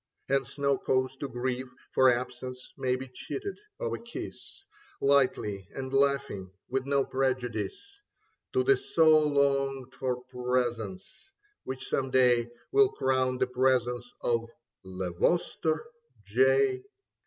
Hence no cause to grieve ; For absence may be cheated of a kiss — Lightly and laughing — ^with no prejudice To the so longed for presence, which some day Will crown the presence of Le Vostre J.